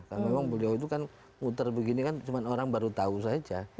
karena memang beliau itu kan nguter begini kan cuma orang baru tahu saja